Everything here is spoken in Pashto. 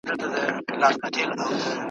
ته پوهیږې د ابا سیوری دي څه سو؟ `